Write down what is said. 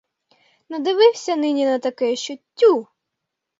Надивився нині на таке, що — тю!